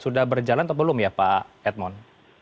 sudah berjalan atau belum ya pak edmond